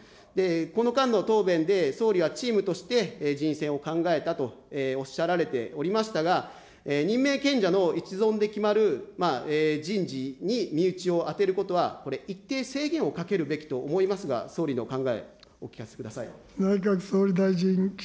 この間の答弁で、総理はチームとして人選を考えたとおっしゃられておりましたが、任命権者の一存で決まる人事に身内を充てることは、これ、一定制限をかけるべきと思いますが、総理のお考え、お聞かせください。